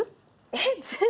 えっ。